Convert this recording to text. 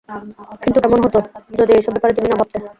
কিন্তু কেমন হতো যদি এসব ব্যাপারে তুমি না ভাবতে।